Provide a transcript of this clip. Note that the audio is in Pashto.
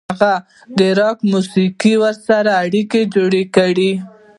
هغه د راک موسیقۍ سره اړیکې جوړې کړې.